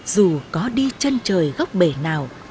dù có đi chân trời góc bể nào